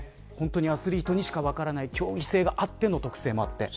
アスリートにしか分からない競技性があっての特性って。